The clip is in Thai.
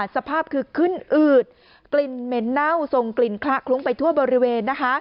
สภาพคือขึ้นอืดกลิ่นเหม็นเน่าส่งกลิ่นคละคลุ้งไปทั่วบริเวณ